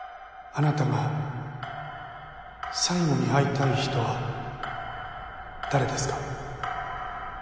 あなたが最後に会いたい人は誰ですか？